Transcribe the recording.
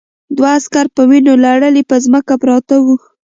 دوه عسکر په وینو لړلي پر ځمکه پراته وو